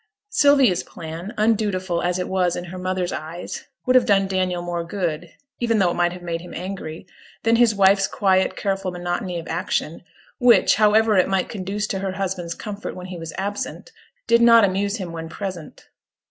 Sylvia's plan, undutiful as it was in her mother's eyes, would have done Daniel more good, even though it might have made him angry, than his wife's quiet, careful monotony of action, which, however it might conduce to her husband's comfort when he was absent, did not amuse him when present.